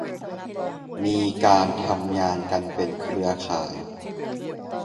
มีการทำงานกันเป็นเครือข่าย